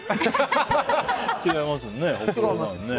違いますよね。